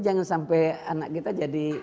jangan sampai anak kita jadi